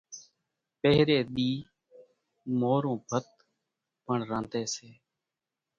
پۿري ۮي مورون ڀت پڻ رانڌي سي